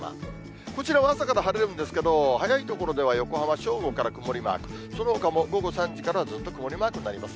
こちらは朝から晴れるんですけど、早い所では横浜、正午から曇りマーク、そのほかも午後３時からもずっと曇りマークになります。